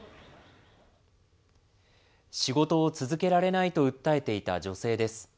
仕事を続けられないと訴えていた女性です。